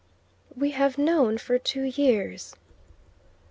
"We have known for two years."